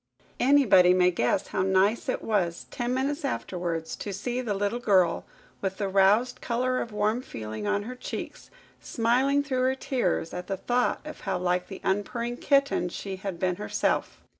Anybody may guess how nice it was, ten minutes afterwards, to see the little girl, with the roused colour of warm feeling on her cheeks, smiling through her tears at the thought of how like the unpurring kitten she had been herself!